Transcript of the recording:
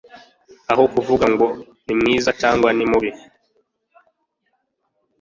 aho kuvugango nimwiza cyangwa ni mubi, u